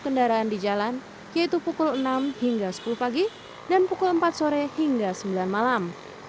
kendaraan di jalan yaitu pukul enam hingga sepuluh pagi dan pukul empat sore hingga sembilan malam